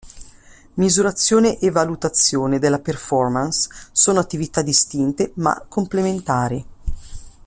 Misurazione e valutazione della performance sono attività distinte ma complementari.